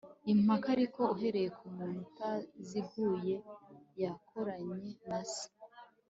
impaka, ariko uhereye kumuntu utaziguye yakoranye na se